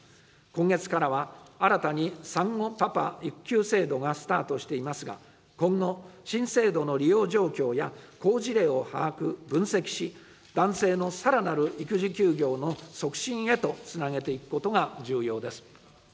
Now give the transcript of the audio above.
今月からは、新たに産後パパ育休制度がスタートしていますが、今後、新制度の利用状況や好事例を把握・分析し、男性のさらなる育児休業の促進へとつなげていくことが重要です。